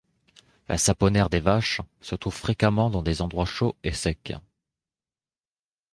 La saponaire des vaches se trouve fréquemment dans des endroits chauds et secs.